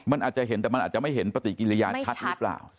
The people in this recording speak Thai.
มันอาจจะเห็นแต่มันอาจจะไม่เห็นปฏิกิริยาชัดหรือเปล่า